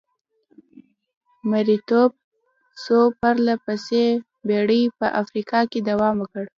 مریتوب څو پرله پسې پېړۍ په افریقا کې دوام وکړ.